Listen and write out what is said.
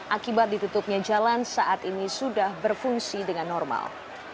akibat ditutupnya jalan saat ini sudah berfungsi dengan normal